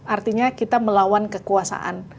artinya kita melawan kekuasaan